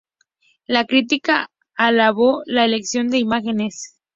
La crítica alabó la elección de imágenes.